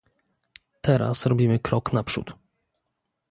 Teraz robimy krok naprzód